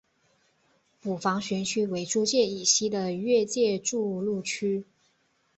捕房巡区为租界以西的越界筑路区。